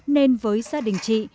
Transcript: nên với gia đình chị